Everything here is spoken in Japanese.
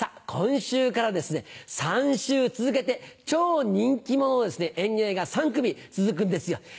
今週から３週続けて超人気者の演芸が３組続くんですよ。